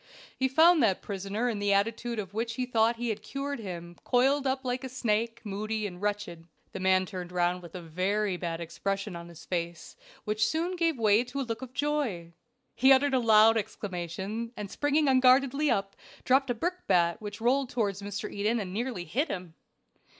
He found that prisoner in the attitude of which he thought he had cured him, coiled up like a snake, moody and wretched. The man turned round with a very bad expression on his face, which soon gave way to a look of joy. He uttered a loud exclamation, and springing unguardedly up, dropped a brickbat which rolled toward Mr. Eden and nearly hit him.